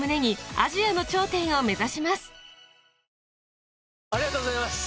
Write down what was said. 「氷結」ありがとうございます！